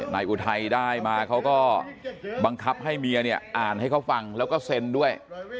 อุทัยได้มาเขาก็บังคับให้เมียเนี่ยอ่านให้เขาฟังแล้วก็เซ็นด้วย